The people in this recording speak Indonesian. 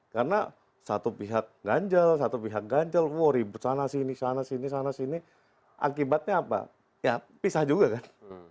karena satu pihak ganjal satu pihak ganjal wah ribet sana sini sana sini sana sini akibatnya apa ya pisah juga kan